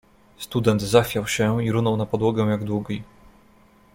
"Student zachwiał się i runął na podłogę jak długi."